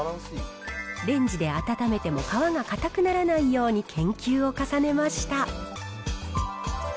レンジで温めても皮が硬くならないように研究を重ねました。